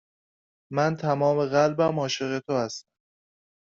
من تمام قلبم عاشق تو هستم.